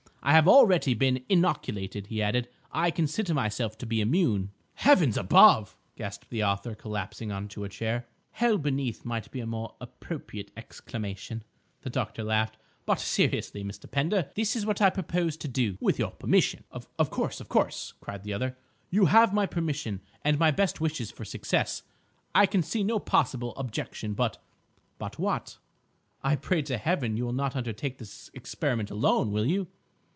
I have already been inoculated," he added; "I consider myself to be immune." "Heavens above!" gasped the author, collapsing on to a chair. "Hell beneath! might be a more appropriate exclamation," the doctor laughed. "But, seriously, Mr. Pender, this is what I propose to do—with your permission." "Of course, of course," cried the other, "you have my permission and my best wishes for success. I can see no possible objection, but—" "But what?" "I pray to Heaven you will not undertake this experiment alone, will you?"